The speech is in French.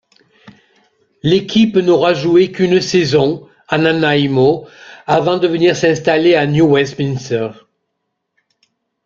L'équipe n'aura joué qu'une saison à Nanaimo avant de venir s'installer à New Westminster.